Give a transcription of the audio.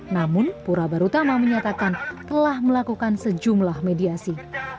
namun pura barutama menyatakan telah melakukan sejumlah mediasi